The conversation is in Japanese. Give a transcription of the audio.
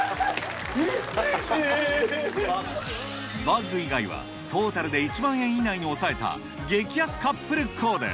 バッグ以外はトータルで１万円以内に抑えた激安カップルコーデ